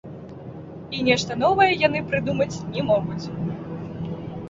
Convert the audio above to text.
І нешта новае яны прыдумаць не могуць.